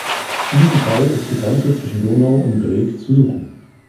In diesem Fall ist die Grenze zwischen Donau und Breg zu suchen.